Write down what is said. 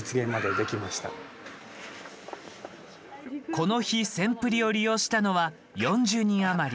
この日、せんプリを利用したのは４０人余り。